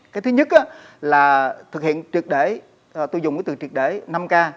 cái thứ nhất là thực hiện trực để tôi dùng cái từ trực để năm k